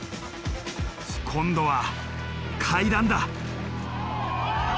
今度は階段だ。